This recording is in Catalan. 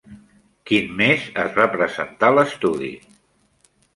Quin mes es va presentar l'Estudi?